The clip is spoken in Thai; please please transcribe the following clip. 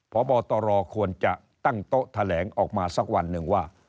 พบตรควรจะตั้งโต๊ะแถลงออกมาสักวันหนึ่งว่า